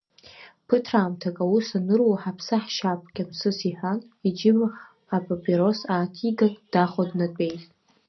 Ԥыҭраамҭак аус аныру, ҳаԥсы ҳшьап, Кьамсыс иҳәан, иџьыба апапирос ааҭиган, дахо днатәеит.